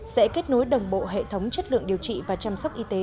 sẽ kết nối đồng bộ hệ thống chất lượng điều trị và chăm sóc y tế